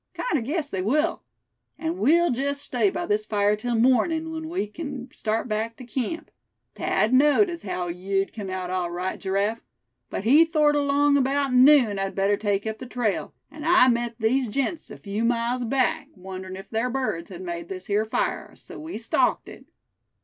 Kinder guess they will. An' we'll jest stay by this fire till mornin', when we kin start back tew camp. Thad knowed as heow yeou'd come out all right, Giraffe; but he thort along abeout noon I'd better take up the trail; and I met these gents a few miles back, wonderin' if ther birds had made this here fire, so we stalked it!"